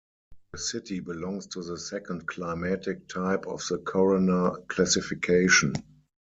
The city belongs to the Second Climatic Type of the Corona Classification.